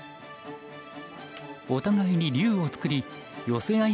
お互いに竜を作り寄せ合い